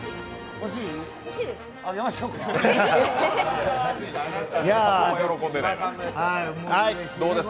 欲しいです。